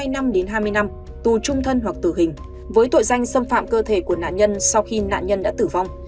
hai năm đến hai mươi năm tù trung thân hoặc tử hình với tội danh xâm phạm cơ thể của nạn nhân sau khi nạn nhân đã tử vong